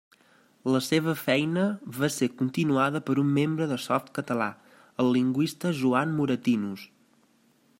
La seva feina va ser continuada per un membre de Softcatalà, el lingüista Joan Moratinos.